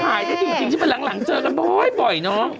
หายได้จริงที่มันหลังเจอกันบ่อยน้อง